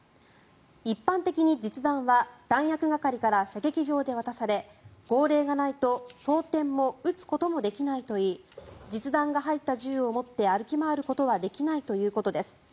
一般的に実弾は弾薬係から射撃場で渡され号令がないと、装てんも撃つこともできないといい実弾が入った銃を持って歩き回ることはできないということです。